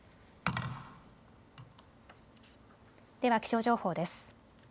では気象情報です。